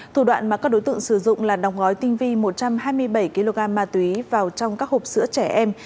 thủ đoạn mà các đối tượng sử dụng là đóng gói tinh vi một trăm hai mươi bảy kg ma túy vào trong các hộp sữa trẻ em